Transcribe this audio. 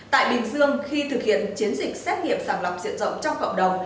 tại bình dương khi thực hiện chiến dịch xét nghiệm sàng lọc diện rộng trong cộng đồng